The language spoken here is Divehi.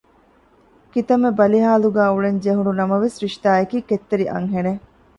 ކިތައްމެ ބަލިހާލުގައި އުޅެންޖެހުނު ނަމަވެސް ރިޝްދާއަކީ ކެތްތެރި އަންހެނެއް